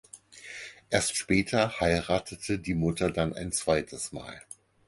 Erst später heiratete die Mutter dann ein zweites Mal.